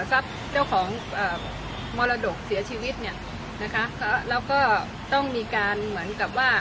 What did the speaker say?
ทรัพย์เจ้าของมรดกเสียชีวิตเนี่ยนะคะแล้วก็ต้องมีการเหมือนกับว่า